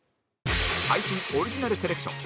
配信オリジナルセレクション